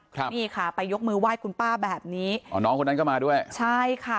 ครับนี่ค่ะไปยกมือไหว้คุณป้าแบบนี้อ๋อน้องคนนั้นก็มาด้วยใช่ค่ะ